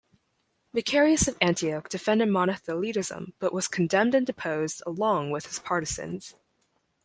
Macarius of Antioch defended monothelitism but was condemned and deposed, along with his partisans.